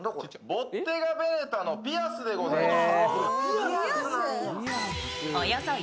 ボッテガ・ヴェネタのピアスでございます。